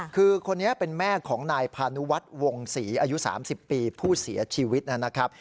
คือคนนี้เป็นแม่ของนายพานุวัฒน์วงศรีอายุ๓๐ปีผู้เสียชีวิตนะครับ